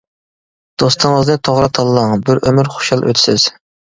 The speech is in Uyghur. دوستىڭىزنى توغرا تاللاڭ، بىر ئۆمۈر خۇشال ئۆتىسىز.